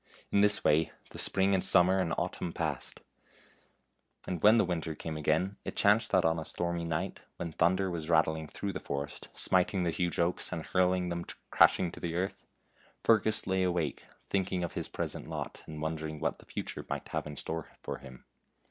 In this way the spring and summer and autumn passed; and when the winter came again it chanced that on a stormy night, when thunder was rattling through the forest, smiting the huge oaks and hurling them crashing to the earth, Fergus lay awake thinking of his present lot, and wondering what the future might have in store for him.